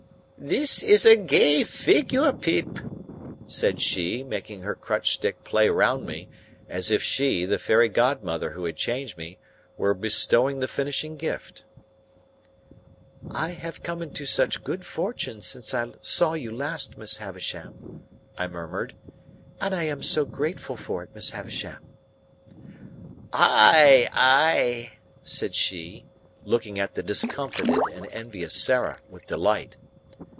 "This is a gay figure, Pip," said she, making her crutch stick play round me, as if she, the fairy godmother who had changed me, were bestowing the finishing gift. "I have come into such good fortune since I saw you last, Miss Havisham," I murmured. "And I am so grateful for it, Miss Havisham!" "Ay, ay!" said she, looking at the discomfited and envious Sarah, with delight.